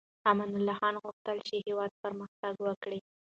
امان الله خان غوښتل چې هېواد پرمختګ وکړي.